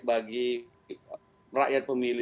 bagi rakyat pemilih